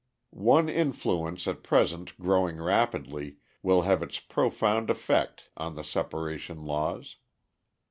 One influence at present growing rapidly will have its profound effect on the separation laws.